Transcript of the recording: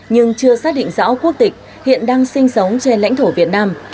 nhưng chưa xác định rõ quốc tịch hiện đang sinh sống trên lãnh thổ việt nam